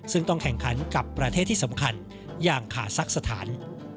ซึ่งต้องแข่งขันกับประเทศที่สำคัญอย่างคาซักสถาน